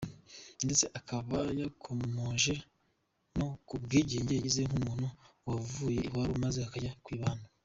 ndetse akaba yakomoje no ku bwigenge yagize nk’umuntu wavuye iwabo maze akanjya kwibana.